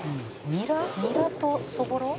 ニラとそぼろ？」